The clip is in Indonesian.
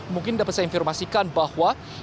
mungkin dapat saya informasikan bahwa